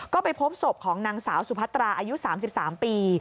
ก็ไปพบศพของนางสาวสุพัตราอายุ๓๓ปี